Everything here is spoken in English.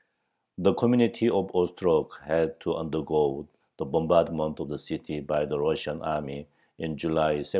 The community of Ostrog had to undergo the bombardment of the city by the Russian army in July, 1792.